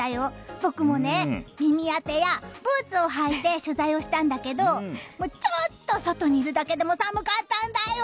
僕も耳当てやブーツを履いて取材をしたんだけどちょっと外に出ただけでも寒かったんだよ！